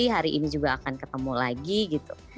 hari ini juga akan ketemu lagi gitu